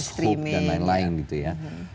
netflix hoop dan lain lain gitu ya